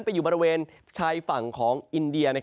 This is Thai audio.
อยู่บริเวณชายฝั่งของอินเดีย